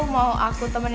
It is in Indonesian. mau aku temenin lo